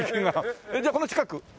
じゃあこの近く？